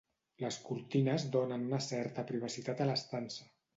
Les cortines donen una certa privacitat a l'estança